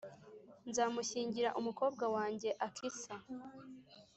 nzamushyingira umukobwa wanjye Akisa.”